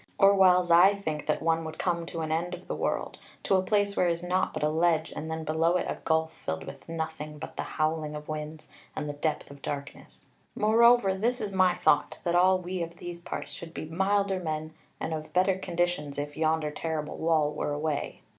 Or whiles I think that one would come to an end of the world, to a place where is naught but a ledge, and then below it a gulf filled with nothing but the howling of winds, and the depth of darkness. Moreover this is my thought, that all we of these parts should be milder men and of better conditions, if yonder terrible wall were away.